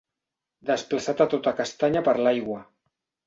Desplaçat a tota castanya per l'aigua.